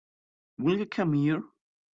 Will you come here?